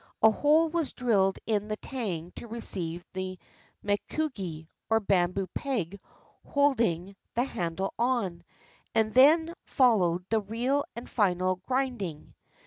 A hole was drilled in the tang to receive the mekugi, or bamboo peg holding the handle on; and then followed the real and final grinding.